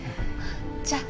じゃあ。